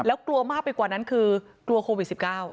แล้วกลัวมากไปกว่านั้นคือกลัวโควิด๑๙